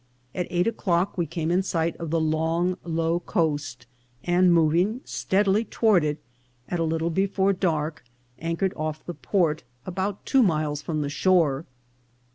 At eight o'clock we came in sight of the long low coast, and moving steadily toward it, at a little before dark anchored off the port, about two miles from the shore.